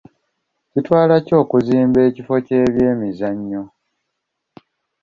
KItwala ki okuzimba ekifo ky'ebyemizannyo?